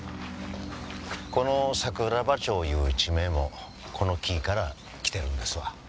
この桜庭町いう地名もこの木から来てるんですわ。